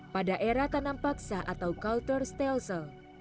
pada era tanam paksa atau cultur stelsel